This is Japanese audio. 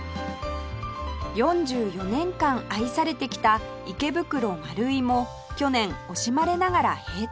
４４年間愛されてきた池袋マルイも去年惜しまれながら閉店